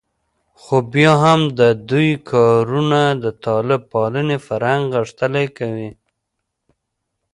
خو بیا هم د دوی کارونه د طالب پالنې فرهنګ غښتلی کوي